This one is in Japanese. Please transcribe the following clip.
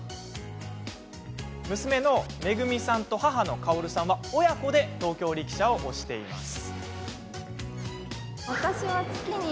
娘のめぐみさんと母のかおるさんは親子で東京力車を推しています。